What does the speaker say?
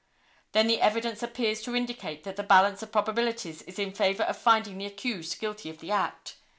Then the evidence appears to indicate that the balance of probabilities is in favor of finding the accursed guilty of the act.